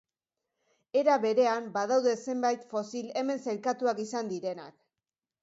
Era berean badaude zenbait fosil hemen sailkatuak izan direnak.